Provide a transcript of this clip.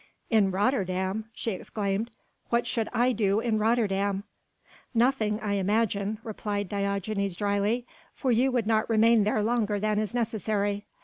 "In Rotterdam?" she exclaimed, "what should I do in Rotterdam?" "Nothing, I imagine," replied Diogenes dryly, "for you would not remain there longer than is necessary.